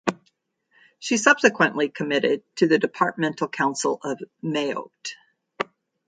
She subsequently committed to the Departmental council of Mayotte.